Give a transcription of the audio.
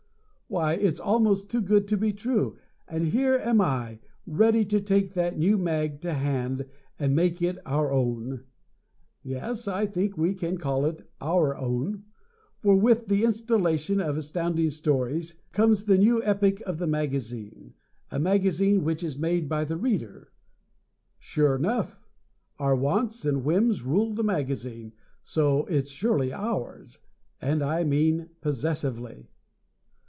Why, it's almost too good to be true, and here am I, ready to take that new mag to hand and make it our own. Yes, I think we can call it "our" own, for with the installation of Astounding Stories comes the new epic of the magazine, a magazine which is made by the reader. Sure nuff our wants and whims rule the magazine; so it's surely "ours," and I mean possessively!